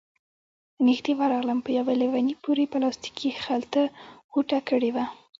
نږدې ورغلم، په يوه ليوني پورې يې پلاستيکي خلطه غوټه کړې وه،